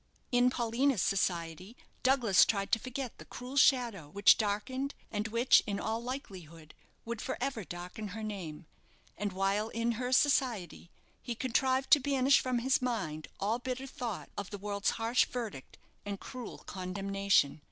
In Paulina's society, Douglas tried to forget the cruel shadow which darkened, and which, in all likelihood, would for ever darken, her name; and while in her society he contrived to banish from his mind all bitter thought of the world's harsh verdict and cruel condemnation.